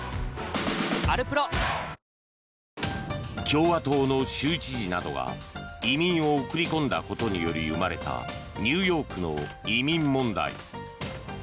共和党の州知事などが移民を送り込んだことにより生まれたニューヨークの移民問題。